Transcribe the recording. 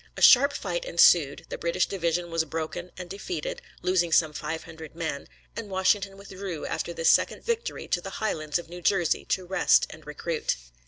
A sharp fight ensued, the British division was broken and defeated, losing some five hundred men, and Washington withdrew after this second victory to the highlands of New Jersey to rest and recruit.